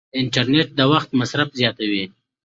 انټرنیټ د وخت مصرف زیاتوي.